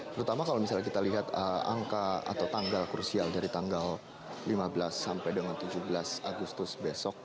terutama kalau misalnya kita lihat angka atau tanggal krusial dari tanggal lima belas sampai dengan tujuh belas agustus besok